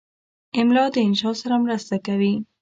املا د انشا سره مرسته کوي.